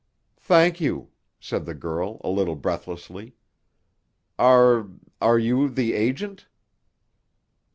"Thank you," said the girl a little breathlessly. "Are—are you the agent?"